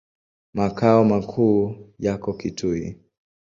Makao makuu yako Kitui.